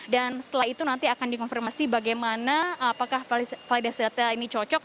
dan setelah itu nanti akan dikonfirmasi bagaimana apakah validasi data ini cocok